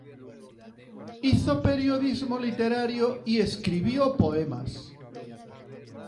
Hizo periodismo literario y escribió poemas.